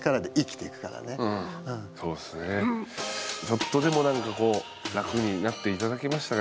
ちょっとでも何かこう楽になって頂けましたか？